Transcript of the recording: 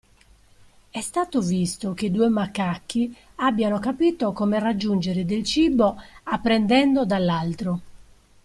È stato visto che due macachi abbiano capito come raggiungere del cibo apprendendo dall'altro.